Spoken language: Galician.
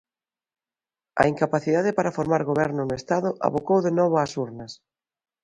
A incapacidade para formar Goberno no Estado abocou de novo ás urnas.